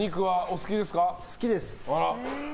好きです。